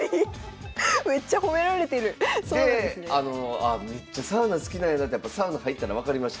あめっちゃサウナ好きなんやなってやっぱサウナ入ったら分かりました。